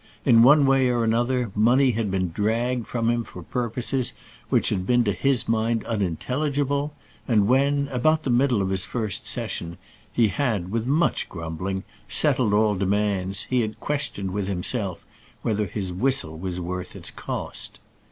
In one way or another money had been dragged from him for purposes which had been to his mind unintelligible; and when, about the middle of his first session, he had, with much grumbling, settled all demands, he had questioned with himself whether his whistle was worth its cost.